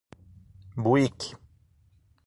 Buíque